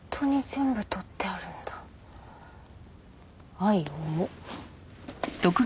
愛重っ。